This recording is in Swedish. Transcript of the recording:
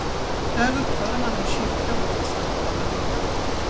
Där uppförde man en kyrka åt Sankta Maria.